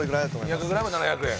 ２００ｇ７００円？